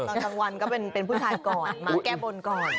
ตอนกลางวันก็เป็นผู้ชายก่อนมาแก้บนก่อน